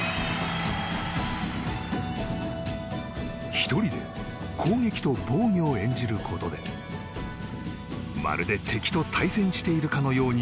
１人で攻撃と防御を演じることでまるで敵と対戦しているかのように